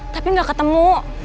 tapi gak ketemu